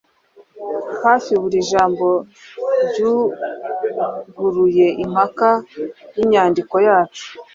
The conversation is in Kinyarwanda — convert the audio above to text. hafi buri jambo ryuguruye impaka yinyandiko yacu